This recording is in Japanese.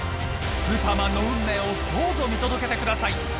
スーパーマンの運命をどうぞ見届けてください！